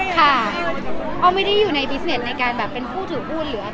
ค่ะอ้อมไม่ได้อยู่ในบิสเน็ตในการแบบเป็นผู้ถือหุ้นหรืออะไร